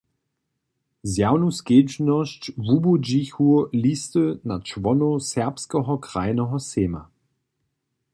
Zjawnu skedźbnosć wubudźichu listy na čłonow Sakskeho krajneho sejma.